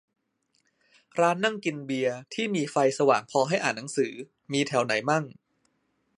ร้านนั่งกินเบียร์ ที่มีไฟสว่างพอให้อ่านหนังสือ มีแถวไหนมั่ง